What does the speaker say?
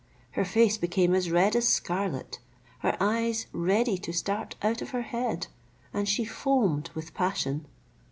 Her face became as red as scarlet, her eyes ready to start out of her head, and she foamed with passion.